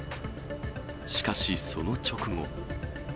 しかし、その直後。